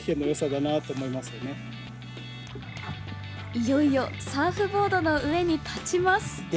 いよいよサーフボードの上に立ちます。